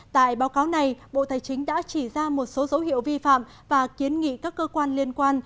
tại báo cáo này bộ tài chính đã chỉ ra một số dấu hiệu vi phạm và kiến nghị các cơ quan liên quan